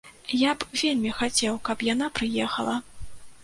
Я б вельмі хацеў, каб яна прыехала.